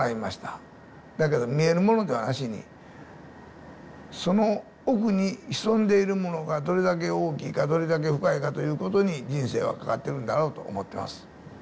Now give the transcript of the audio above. だけど見えるものではなしにその奥に潜んでいるものがどれだけ大きいかどれだけ深いかということに人生はかかってるんだろうと思ってます。